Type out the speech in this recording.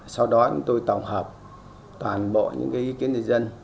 sau đó chúng tôi tổng hợp toàn bộ những ý kiến người dân